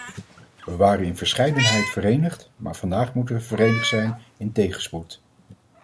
We waren in verscheidenheid verenigd, maar vandaag moeten we verenigd zijn in tegenspoed.